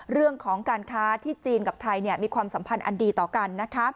เรื่องของการค้าที่จีนกับไทยมีความสัมพันธ์อันดีต่อกัน